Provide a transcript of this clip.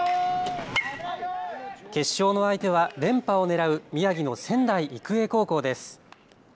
決勝の相手は連覇をねらう宮城の仙台育英高校です。